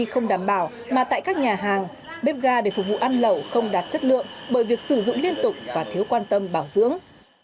không đảm bảo mà tại các nhà hàng bếp ga để phục vụ ăn lẩu không đạt chất lượng bởi việc sử dụng liên tục và thiếu quan tâm bảo dưỡng